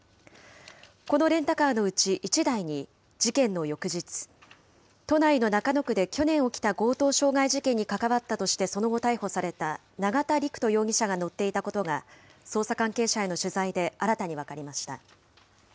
このレンタカーのうち１台に事件の翌日、都内の中野区で去年起きた強盗傷害事件に関わったとしてその後逮捕された永田陸人容疑者が乗っていたことが、捜査関係者への取材で新たに分かりました。